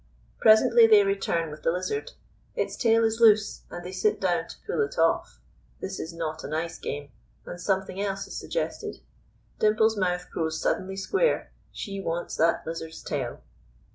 Presently they return with the lizard. Its tail is loose, and they sit down to pull it off. This is not a nice game, and something else is suggested. Dimple's mouth grows suddenly square; she wants that lizard's tail.